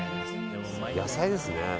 野菜ですね。